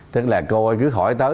tức là cô ơi cứ hỏi tới